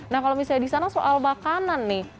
nah kalau misalnya di sana soal makanan nih